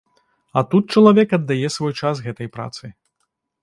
А тут чалавек аддае свой час гэтай працы.